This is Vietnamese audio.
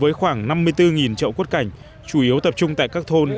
với khoảng năm mươi bốn trậu quất cảnh chủ yếu tập trung tại các thôn